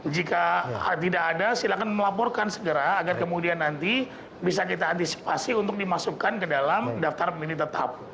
jika tidak ada silakan melaporkan segera agar kemudian nanti bisa kita antisipasi untuk dimasukkan ke dalam daftar pemilih tetap